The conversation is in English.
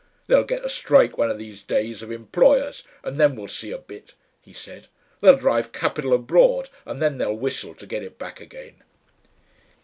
"They'll get a strike one of these days, of employers, and then we'll see a bit," he said. "They'll drive Capital abroad and then they'll whistle to get it back again."...